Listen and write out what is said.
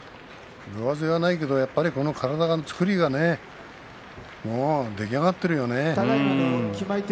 上背がないけどこの体の作り出来上がっているよね。